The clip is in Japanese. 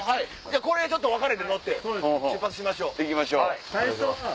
これで分かれて乗って出発しましょう。